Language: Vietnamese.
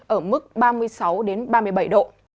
ở mức ba mươi sáu ba mươi bảy độ